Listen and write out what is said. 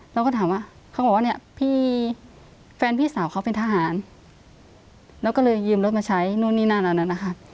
เราก็ถามว่าเขาบอกว่าเนี่ยพี่แฟนพี่สาวเขาเป็นทหารแล้วก็เลยยืมรถมาใช้นู่นนี่นั่นอันนั้นนะคะ